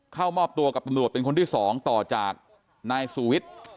เข้ามอบตัวกับตำรวจเป็นคนที่๒ต่อจากนายสูวิทย์